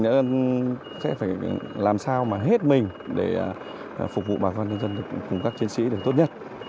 nghĩa sẽ phải làm sao mà hết mình để phục vụ bà con nhân dân cùng các chiến sĩ được tốt nhất